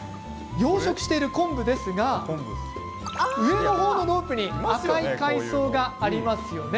養殖している昆布ですが上の方のロープに赤い海藻がありますよね。